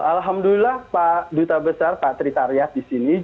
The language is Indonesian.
alhamdulillah pak duta besar pak trikarya di sini